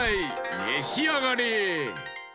めしあがれ！